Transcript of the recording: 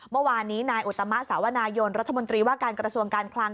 เมื่อวานนี้นายอุตมะสาวนายนรัฐมนตรีว่าการกระทรวงการคลัง